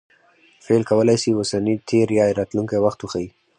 فعل کولای سي اوسنی، تېر یا راتلونکى وخت وښيي.